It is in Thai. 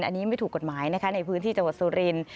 อันนี้ไม่ถูกกฎหมายนะคะในพื้นที่จังหวัดสุรินทร์